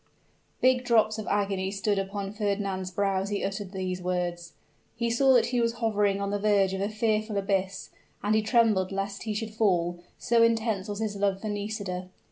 Big drops of agony stood upon Fernand's brow as he uttered these words. He saw that he was hovering on the verge of a fearful abyss and he trembled lest he should fall, so intense was his love for Nisida.